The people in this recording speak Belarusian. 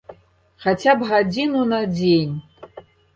Хаця б гадзіну на дзень.